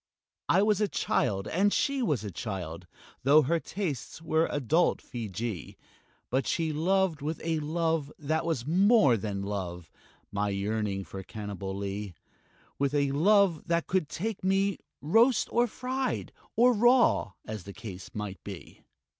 I was a child, and she was a child Tho' her tastes were adult Feejee But she loved with a love that was more than love, My yearning Cannibalee; With a love that could take me roast or fried Or raw, as the case might be.